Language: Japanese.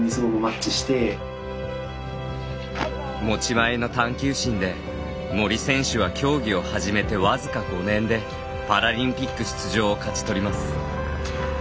持ち前の探求心で森選手は競技を始めてわずか５年でパラリンピック出場を勝ち取ります。